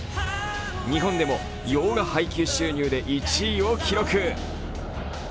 日本でも洋画配給収入で１位を記録。